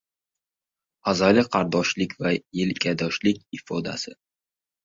Azaliy qardoshlik va yelkadoshlik ifodasi